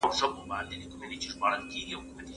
کابل ته مه وايه چې وران شې